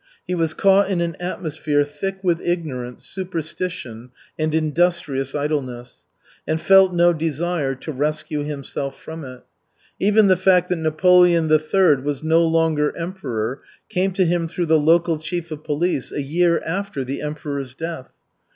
He was caught in an atmosphere thick with ignorance, superstition and industrious idleness, and felt no desire to rescue himself from it. Even the fact that Napoleon III. was no longer emperor came to him through the local chief of police a year after the emperor's death.